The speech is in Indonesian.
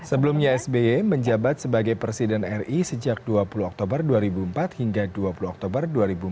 sebelumnya sby menjabat sebagai presiden ri sejak dua puluh oktober dua ribu empat hingga dua puluh oktober dua ribu empat belas